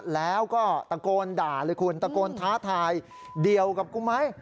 แล้วก็ตะโกนด่าเลยคุณตะโกนท้าทายเดี่ยวกับกูไหม